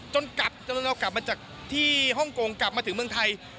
กลับจนเรากลับมาจากที่ฮ่องกงกลับมาถึงเมืองไทย